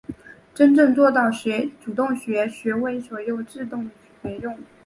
真正做到主动学、学为所用、自觉学用